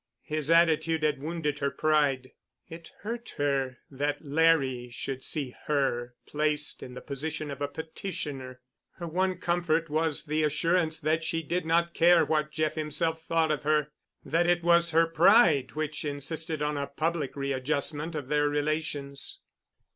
His attitude had wounded her pride. It hurt her that Larry should see her placed in the position of a petitioner. Her one comfort was the assurance that she did not care what Jeff himself thought of her, that it was her pride which insisted on a public readjustment of their relations.